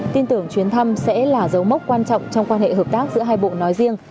tin tưởng chuyến thăm sẽ là dấu mốc quan trọng trong quan hệ hợp tác giữa hai bộ nói riêng